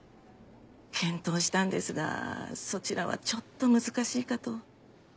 検討したんですがそちらはちょっと難しいかと。